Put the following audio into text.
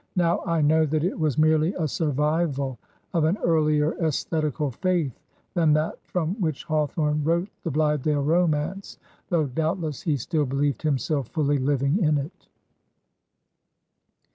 Now I know that it was merely a survival of an earlier aesthetical faith than that from which Hawthorne wrote "The Blithedale Romance," though doubtless he still believed himself fully living in it.